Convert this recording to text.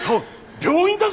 病院だぞ！？